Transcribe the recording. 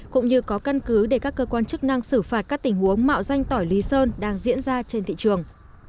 cũng như có căn cứ để các cơ quan chức năng xử phạt các tình huống mạo danh tỏi lý sơn đang diễn ra trên thị trường